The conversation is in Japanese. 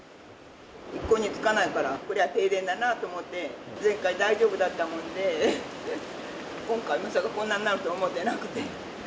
一向につかないから、こりゃ停電だなと思って、前回、大丈夫だったもんで、今回、まさかこんなんなるとは思ってなくて。